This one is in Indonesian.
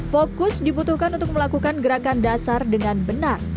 fokus dibutuhkan untuk melakukan gerakan dasar dengan benar